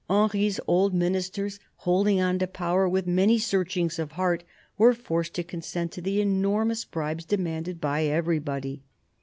Henry's old Ministers, holding on to power with many searchings of heart, were forcec^ to consent to the enormous bribes demanded by everybody.